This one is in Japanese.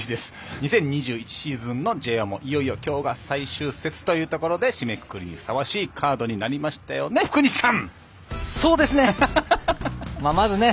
２０２１シーズンのＪ１もいよいよきょうが最終節締めくくりにふさわしいカードになりましたね、福西さん！